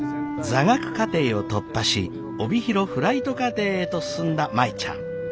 座学課程を突破し帯広フライト課程へと進んだ舞ちゃん。